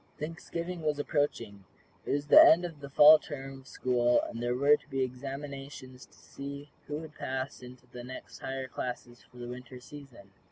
Thanksgiving was approaching. It was the end of the Fall term of school, and there were to be examinations to see who would pass into the next higher classes for the Winter season.